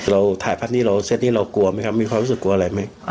เราถ่ายภาพนี้เราเซตนี้เรากลัวไหมครับมีความรู้สึกกลัวอะไรไหม